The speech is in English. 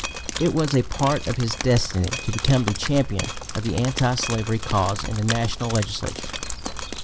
It was a part of his destiny to become the champion of the anti slavery cause in the national legislature.